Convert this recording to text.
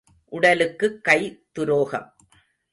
உடலுக்குக் கை துரோகம்.